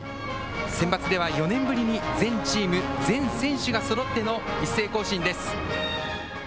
センバツでは４年ぶりに全チーム、全選手がそろっての一斉行進です。